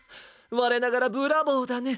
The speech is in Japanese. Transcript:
われながらブラボーだね！